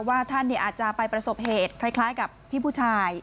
ว่าท่านอาจจะไปประสบเหตุคล้ายกับพี่ผู้ชาย